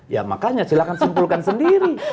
ya makanya silahkan sempulkan sendiri